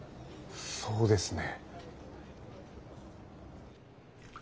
そうですね。